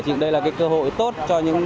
thì đây là cơ hội tốt cho những